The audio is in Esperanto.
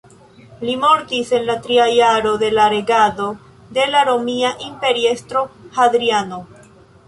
Li mortis en la tria jaro de la regado de la romia imperiestro Hadriano.